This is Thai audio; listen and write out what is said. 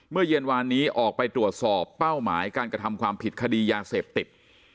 เมื่อเย็นวานนี้ออกไปตรวจสอบเป้าหมายการกระทำความผิดคดียาเสพติด